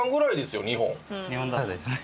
そうですね。